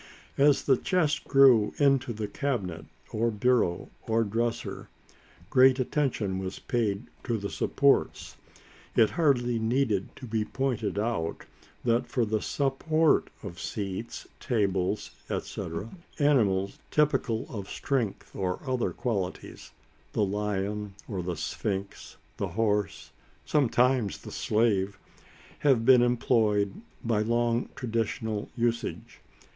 As the chest grew into the cabinet, or bureau, or dresser, great attention was paid to the supports. It need hardly be pointed out that, for the support of seats, tables, etc., animals, typical of strength or other qualities the lion or the sphinx, the horse, sometimes the slave have been employed by long traditional usage.